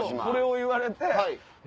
それを言われて。